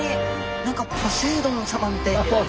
何かポセイドン様みたいで。